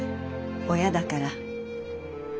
親だから。